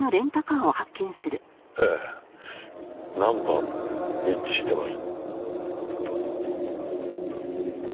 ええナンバーも一致してます。